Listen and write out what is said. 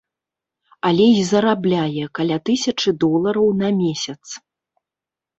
Але і зарабляе каля тысячы долараў на месяц.